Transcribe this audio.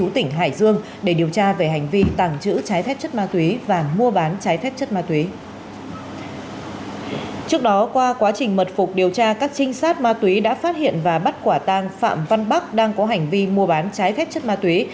trong cuộc điều tra các trinh sát ma túy đã phát hiện và bắt quả tàng phạm văn bắc đang có hành vi mua bán trái phép chất ma túy